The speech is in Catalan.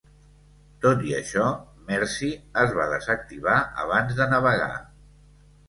Tot i això, "Mercy" es va desactivar abans de navegar.